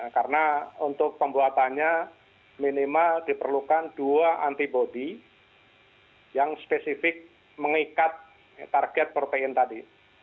karena untuk pembuatannya minimal diperlukan dua antibody yang spesifik mengikat target protein tadi